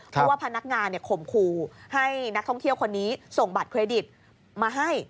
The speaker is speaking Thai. เพราะว่าพนักงานข่มขู่ให้นักท่องเที่ยวคนนี้ส่งบัตรเครดิตมาให้